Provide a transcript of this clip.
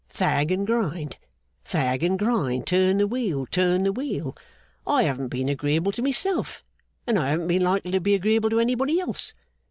Fag and grind, fag and grind, turn the wheel, turn the wheel! I haven't been agreeable to myself, and I haven't been likely to be agreeable to anybody else.